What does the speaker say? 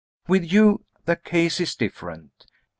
With you, the case is different.